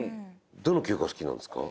どの曲が好きなんですか？